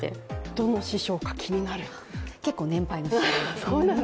どの師匠か気になる結構年配の師匠です。